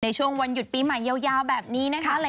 ในช่วงวันหยุดปีใหม่ยาวแบบนี้นะคะ